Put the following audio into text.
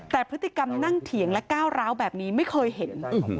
แต่พฤติกรรมนั่งเถียงและก้าวร้าวแบบนี้ไม่เคยเห็น